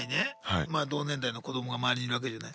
まあ同年代の子どもが周りにいるわけじゃない？